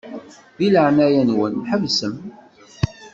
Di leɛnaya-nwen ḥebsem.